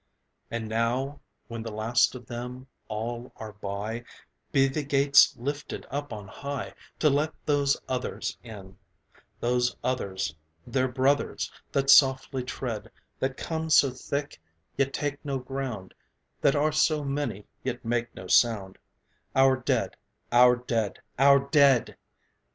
And now, when the last of them all are by, Be the Gates lifted up on high To let those Others in, Those Others, their brothers, that softly tread, That come so thick, yet take no ground, That are so many, yet make no sound, Our Dead, our Dead, our Dead!